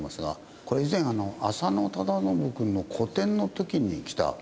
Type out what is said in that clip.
これ以前浅野忠信君の個展の時に来た所と同じ所です。